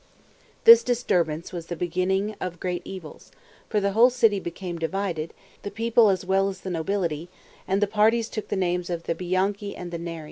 This disturbance was the beginning of great evils; for the whole city became divided, the people as well as the nobility, and the parties took the names of the Bianchi and the Neri.